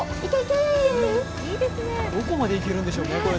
どこまで行けるんでしょうね。